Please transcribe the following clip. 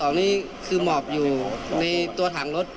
นี่คือหมอบอยู่ในตัวถังรถ